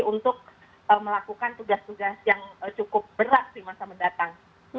untuk melakukan tugas tugas yang cukup berat di masa mendatang